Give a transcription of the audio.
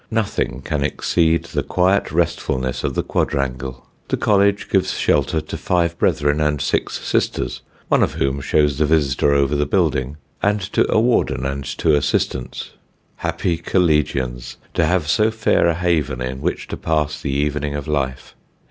Nothing can exceed the quiet restfulness of the quadrangle. The college gives shelter to five brethren and six sisters (one of whom shows the visitor over the building), and to a warden and two assistants. Happy collegians, to have so fair a haven in which to pass the evening of life.